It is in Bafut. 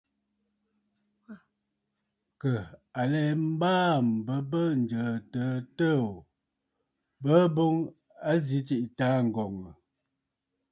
Kə̀ à lɛ mbaà m̀bə bə ǹjə̀ə̀ təə təə ò, bəə boŋ a zi tsiꞌì taaŋgɔ̀ŋə̀.